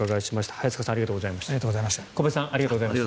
早坂さん、小林さんありがとうございました。